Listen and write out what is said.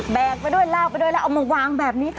ไปด้วยลากไปด้วยแล้วเอามาวางแบบนี้ค่ะ